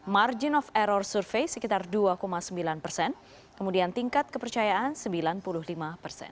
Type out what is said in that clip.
margin of error survei sekitar dua sembilan persen kemudian tingkat kepercayaan sembilan puluh lima persen